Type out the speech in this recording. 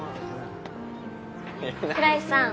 倉石さん